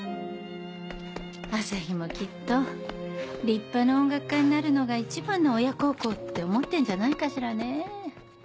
朝陽もきっと立派な音楽家になるのが一番の親孝行って思ってんじゃないかしらね。